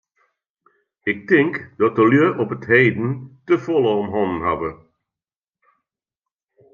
Ik tink dat de lju op 't heden te folle om hannen hawwe.